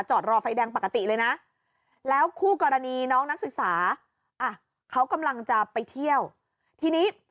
รอไฟแดงปกติเลยนะแล้วคู่กรณีน้องนักศึกษาอ่ะเขากำลังจะไปเที่ยวทีนี้